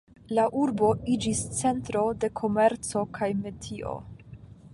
La urbo iĝis centro de komerco kaj metio.